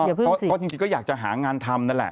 อย่าพึ่งสิก็จริงก็อยากจะหางานทำนั่นแหละ